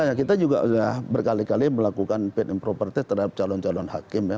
makanya kita juga berkali kali melakukan paid in property terhadap calon calon hakim ya